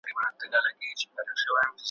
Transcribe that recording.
همدا به حال وي ورځ تر قیامته `